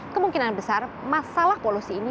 kemungkinan besar masalah polusi ini